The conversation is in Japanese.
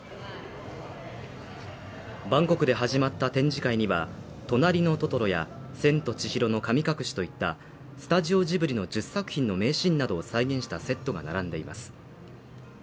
バンコクで始まった展示会には、「となりのトトロ」や「千と千尋の神隠し」といったスタジオジブリの１０作品の名シーンなどを再現したセットが並んでいます。